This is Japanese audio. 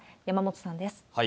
山本さんです。